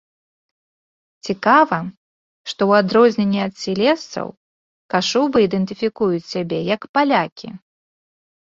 Цікава, што ў адрозненні ад сілезцаў, кашубы ідэнтыфікуюць сябе як палякі.